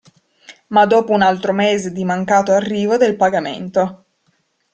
Ma dopo un altro mese di mancato arrivo del pagamento.